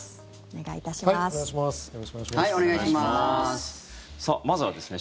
お願いします。